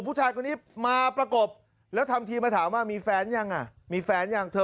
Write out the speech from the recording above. ผู้ชายคนนี้มาประกบที่มาถามแล้วมีแฟนยัง